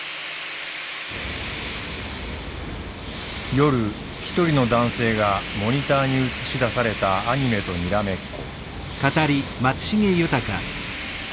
夜ひとりの男性がモニターに映し出されたアニメとにらめっこ。